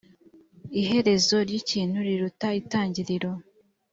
iherezo ry ikintu riruta intangiriro